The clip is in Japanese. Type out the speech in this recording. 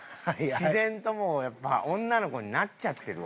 自然ともうやっぱ女の子になっちゃってるわ。